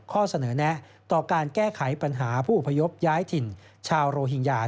ข้อเสนอแนะต่อการแก้ไขปัญหาผู้อพยพย้ายถิ่นชาวโรฮิงญา